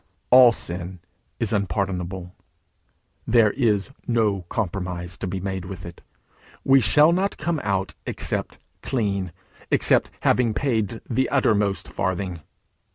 All sin is unpardonable. There is no compromise to be made with it. We shall not come out except clean, except having paid the uttermost farthing.